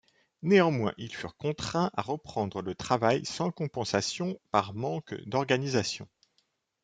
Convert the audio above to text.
Néanmoins, ils furent contraints à reprendre le travail sans compensations, par manque d'organisation.